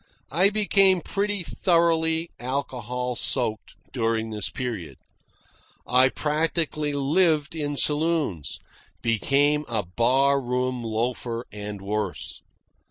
I became pretty thoroughly alcohol soaked during this period. I practically lived in saloons; became a bar room loafer, and worse.